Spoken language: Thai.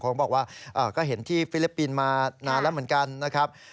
ผมบอกว่าก็เห็นที่ฟิลิปปินส์มานานแล้วเหมือนกันนะครับ